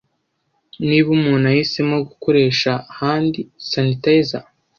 niba umuntu ahisemo gukoresha Handi Sanitayiza